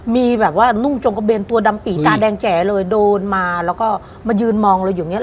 มีแบบว่านุ่งจงกระเบนตัวดำปี่ตาแดงแจ๋เลยโดนมาแล้วก็มายืนมองเราอยู่อย่างนี้